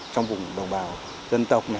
trong vùng đồng bào dân tộc